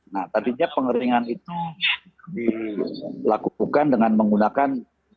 nah tadinya pengeringan itu dilakukan dengan menggunakan